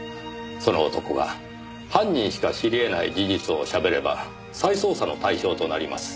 その男が犯人しか知り得ない事実を喋れば再捜査の対象となります。